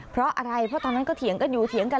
เพราะอะไรเพราะตอนนั้นก็เถียงกันอยู่เถียงกัน